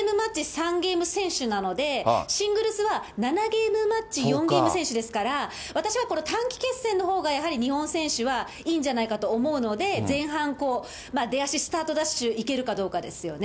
３ゲーム選手なので、シングルスは７ゲームマッチ、４ゲーム先取ですから、私はこの短期決戦のほうが、やはり日本選手はいいんじゃないかと思うので、前半、出足スタートダッシュ、いけるかどうかですよね。